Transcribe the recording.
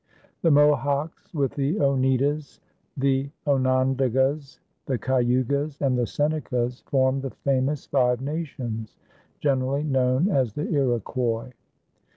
The Mohawks, with the Oneidas, the Onondagas, the Cayugas, and the Senecas, formed the famous Five Nations, generally known as the Iroquois.